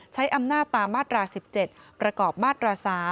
ใช้อำนาจตามมาตรา๑๗ประกอบมาตรา๓